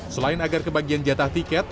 selain agar kebagian jatah tiket